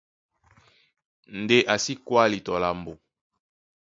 Ndé a sí kwáli tɔ lambo.